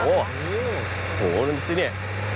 โอ้โฮนี่ดิ